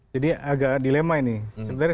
jadi agak dilema ini sebenarnya